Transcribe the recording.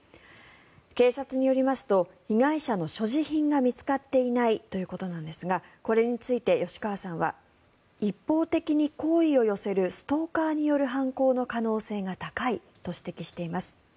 警察によりますと被害者の所持品が見つかっていないということなんですがこれについて吉川さんは一方的に好意を寄せるストーカーによる犯行の可能性が高いと指摘しています。